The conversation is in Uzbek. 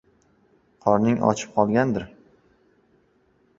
Qorning ochib qolgandir?